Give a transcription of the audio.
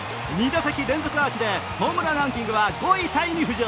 ２打席連続アーチでホームランランキングは５位タイに浮上。